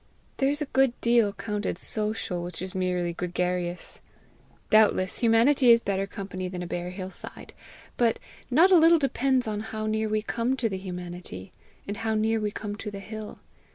There is a good deal counted social which is merely gregarious. Doubtless humanity is better company than a bare hill side; but not a little depends on how near we come to the humanity, and how near we come to the hill.